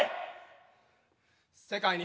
世界に。